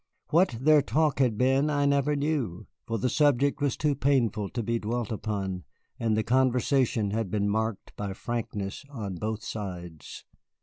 What their talk had been I never knew, for the subject was too painful to be dwelt upon, and the conversation had been marked by frankness on both sides.